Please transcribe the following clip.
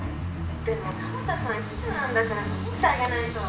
でも蒲田さん秘書なんだから守ってあげないと。